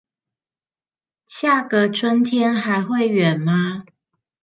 下個春天還會遠嗎